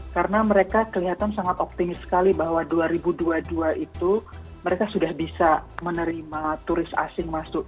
karena mereka kelihatan sangat optimis sekali bahwa dua ribu dua puluh dua itu mereka sudah bisa menerima turis asing masuk